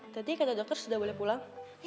tadi kata dokter sudah boleh pulang